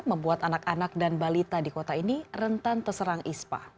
membuat anak anak dan balita di kota ini rentan terserang ispa